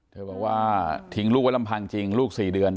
บอกว่าทิ้งลูกไว้ลำพังจริงลูก๔เดือน